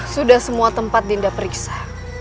sudah semua tempat dinda periksa